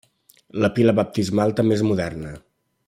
La pila baptismal també és moderna.